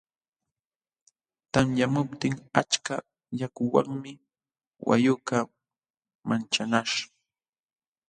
Tamyamuptin achka yakuwanmi wayqukaq manchanaśh.